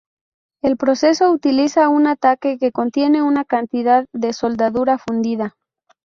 El proceso utiliza un tanque que contiene una cantidad de soldadura fundida.